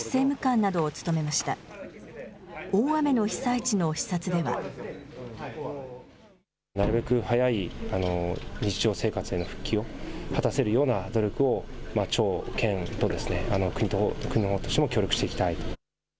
なるべく早い日常生活への復帰を果たせるような努力を、町、県と、国のほうとしても協力していきたい。